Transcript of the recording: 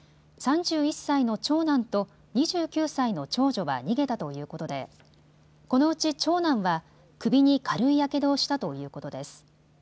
３１歳の長男と２９歳の長女は逃げたということでこのうち長男は首に軽いやけどをしたということです。